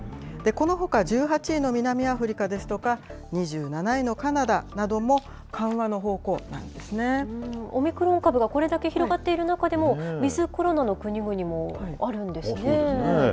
このほか、１８位の南アフリカですとか、２７位のカナダなども、緩和の方向オミクロン株がこれだけ広がっている中でも、ウィズコロナの国々もあるんですね。